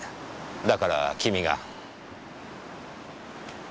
だから君が。